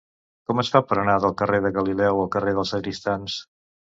Com es fa per anar del carrer de Galileu al carrer dels Sagristans?